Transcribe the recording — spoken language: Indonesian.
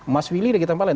mas willy lagi tambah lain